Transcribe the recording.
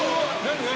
何？